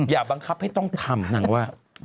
อย่าบังคับให้ต้องทำนางว่า